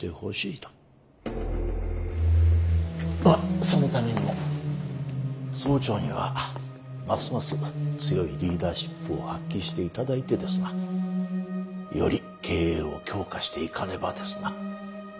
まあそのためにも総長にはますます強いリーダーシップを発揮していただいてですなより経営を強化していかねばですな。